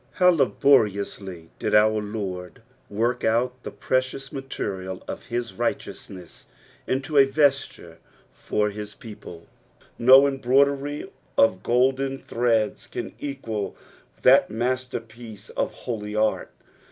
How laboriously did our Lord work out the precious material of his righteousness iuto a vesture for his people 1 no emiiroidery of golden threads can equal that maatcr picce of holy art.